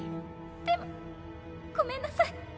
でもごめんなさい